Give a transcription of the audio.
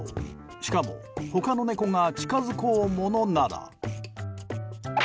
しかも他の猫が近づこうものなら。